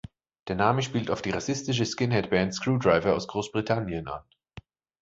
Der Name spielt auf die rassistische Skinhead-Band Skrewdriver aus Großbritannien an.